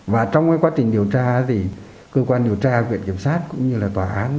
và trong quá trình điều tra thì cơ quan điều tra viện kiểm sát cũng như là tòa án